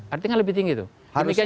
artinya lebih tinggi tuh